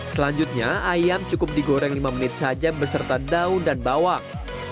selanjutnya ayam cukup digoreng lima menit saja beserta daun dan bawang